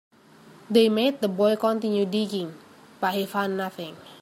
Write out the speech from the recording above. They made the boy continue digging, but he found nothing.